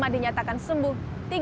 empat puluh lima dinyatakan sembuh